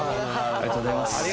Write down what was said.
ありがとうございます。